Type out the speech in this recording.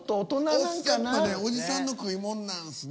ちょっとねおじさんの食いもんなんすね。